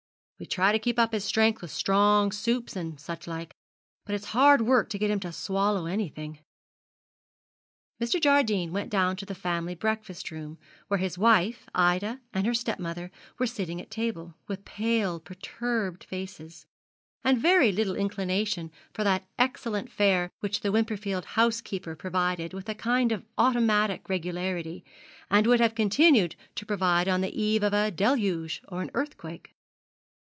We try to keep up his strength with strong soups, and such like; but it's hard work to get him to swallow anything.' Mr. Jardine went down to the family breakfast room, where his wife, Ida, and her stepmother were sitting at table, with pale perturbed faces, and very little inclination for that excellent fare which the Wimperfield housekeeper provided with a kind of automatic regularity, and would have continued to provide on the eve of a deluge or an earthquake.